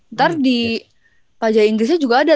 ntar di pajai inggrisnya juga ada